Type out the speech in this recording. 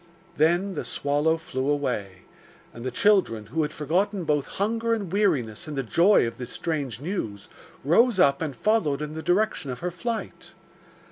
Then the swallow flew away, and the children, who had forgotten both hunger and weariness in the joy of this strange news, rose up and followed in the direction of her flight.